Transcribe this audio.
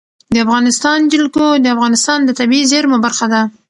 د افغانستان جلکو د افغانستان د طبیعي زیرمو برخه ده.